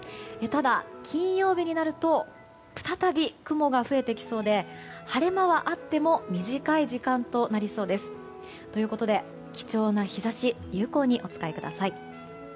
ただ、金曜日になると再び雲が増えてきそうで晴れ間はあっても短い時間となりそうです。ということで、貴重な日差し有効にお使いください。